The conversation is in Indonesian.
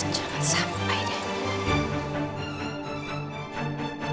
jangan sampai dewi